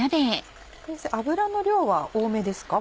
先生油の量は多めですか？